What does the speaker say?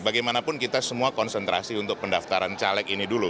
bagaimanapun kita semua konsentrasi untuk pendaftaran caleg ini dulu